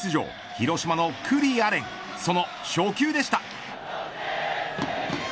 広島の九里亜蓮その初球でした。